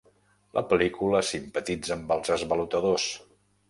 La pel·lícula simpatitza amb els esvalotadors.